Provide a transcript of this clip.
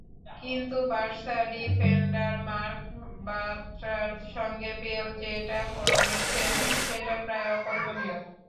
কিন্তু Barca defender Marc বার্ত্রার সঙ্গে বেল যেটা করেছেন, সেটা প্রায় অকল্পনীয়।